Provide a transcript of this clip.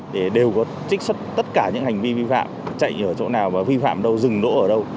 để đều có trích xuất tất cả những hành vi vi phạm chạy ở chỗ nào và vi phạm đâu dừng đỗ ở đâu